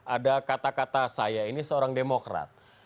ada kata kata saya ini seorang demokrat